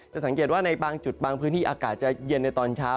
สังเกตว่าในบางจุดบางพื้นที่อากาศจะเย็นในตอนเช้า